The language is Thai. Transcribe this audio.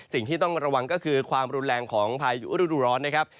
สิ่งที่ต้องระวังก็คือความรุนแรงของพายุฤดูร้อนนะครับ